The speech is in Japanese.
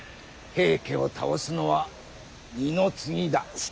平家を倒すのは二の次だ。